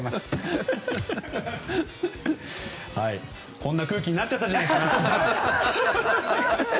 こんな空気になっちゃったじゃないですか！